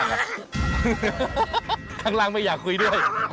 ข้างล่างไม่อยากคุยด้วย